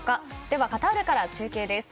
ではカタールから中継です。